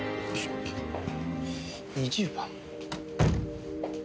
２０番。